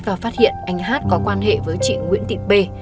và phát hiện anh hát có quan hệ với chị nguyễn tị bê